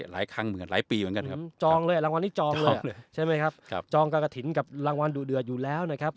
รางวัลนี้จองครับครับ